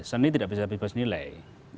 seni tidak bisa bebas nilai